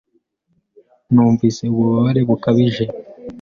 Numvise ububabare bukabije .